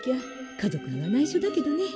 家族にはないしょだけどね。